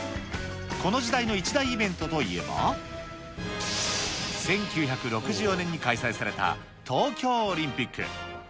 この時代の一大イベントといえば、１９６４年に開催された東京オリンピック。